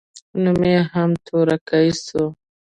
نوم يې هم تورکى سو.